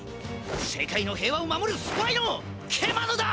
世界の平和を守るスパイのケマヌだ！